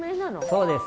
そうです。